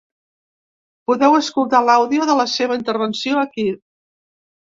Podeu escoltar l’àudio de la seva intervenció aquí.